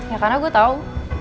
ya karena gue tau